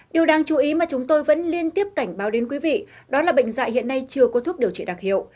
điều đáng chú ý mà chúng tôi vẫn liên tiếp cảnh báo đến quý vị đó là bệnh dạy hiện nay chưa có thuốc điều trị đặc hiệu